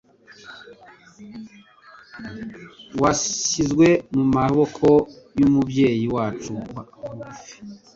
washyizwe mu maboko y'umubyeyi wacu wa bugufi.